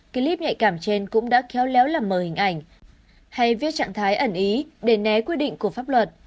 clip nhạy cảm trên cũng đã khéo léo làm mờ hình ảnh hay viết trạng thái ẩn ý để né quy định của pháp luật